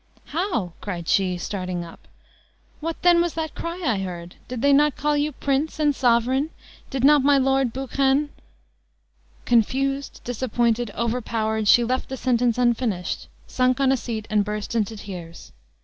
"How?" cried she, starting up. "What, then, was that cry I heard? Did they not call you 'prince,' and 'sovereign?' Did not my Lord Buchan " Confused, disappointed, overpowered, she left the sentence unfinished, sunk on a seat, and burst into tears.